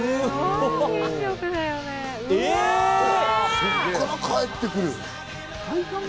そこからかえってくる。